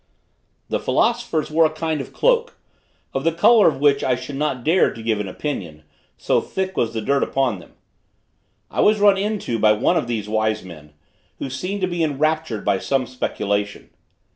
The philosophers wore a kind of cloak, of the color of which I should not dare to give an opinion, so thick was the dirt upon them. I was run into by one of these wise men, who seemed to be enraptured by some speculation.